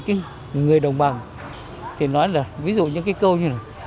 còn ở đây người đồng bằng thì nói là ví dụ như cái câu như này